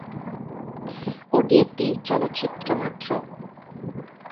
ওটি একটি চলচ্চিত্র মাত্র।